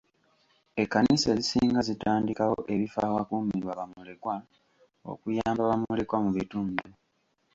Ekkanisa ezisinga zitandikawo ebifo awakuumirwa bamulekwa okuyamba ku bamulekwa mu bitundu.